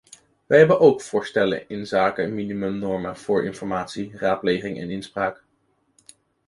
Wij hebben ook voorstellen inzake minimumnormen voor informatie, raadpleging en inspraak.